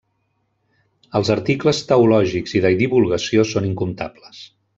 Els articles teològics i de divulgació són incomptables.